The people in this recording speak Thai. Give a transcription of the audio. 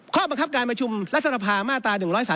ข้อบังคับการประชุมรัฐสภามาตรา๑๓